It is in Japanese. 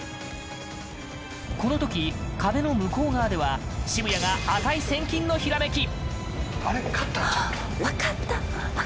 このとき、壁の向こう側では渋谷が値千金のひらめき！